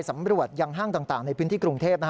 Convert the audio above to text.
ตำรวจยังห้างต่างในพื้นที่กรุงเทพ